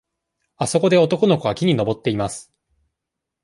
あそこで男の子が木に登っています。